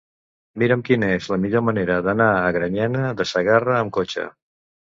Mira'm quina és la millor manera d'anar a Granyena de Segarra amb cotxe.